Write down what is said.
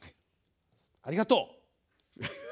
ありがとう！